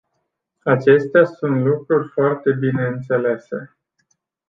Acestea sunt lucruri foarte bine înțelese.